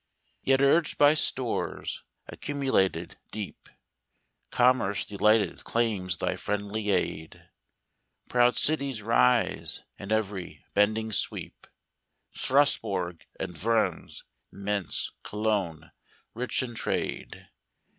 Yet urged by stores accumulated, deep, Commerce delighted claims thy friendly aid: Proud cities rise in every bending sweep ; Strasbourgh, and Worms, Mentz, Cologne, rich in trade.